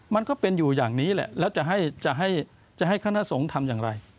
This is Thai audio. มันก็เป็นอยู่อย่างนี้แหละแล้วจะให้คณะสงฆ์ทำอย่างไร